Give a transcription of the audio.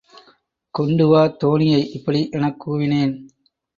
கொண்டுவா தோணியை இப்படி எனக் கூவினன்.